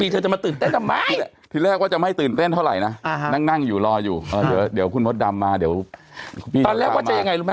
ตอนแรกว่าจะยังไง